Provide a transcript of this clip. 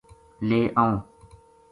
لے آؤں